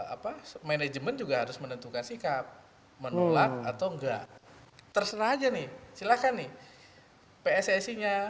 apa manajemen juga harus menentukan sikap menolak atau enggak terserah aja nih silahkan nih pssi nya